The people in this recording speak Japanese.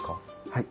はい。